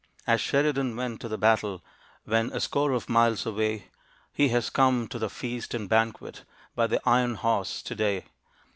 As Sheridan went to the battle, When a score of miles away, He has come to the feast and banquet, By the iron horse, to day.